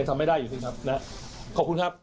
ยังทำให้ได้อยู่ด้วยครับขอบคุณครับ